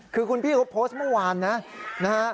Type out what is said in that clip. คือคุณพี่เขาโพสต์เมื่อวานนะนะฮะ